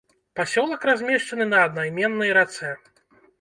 Пасёлак размешчаны на аднайменнай рацэ.